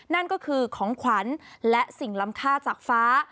นั่นก็คือของขวัญและสิ่งล้ำค่าจากฟ้า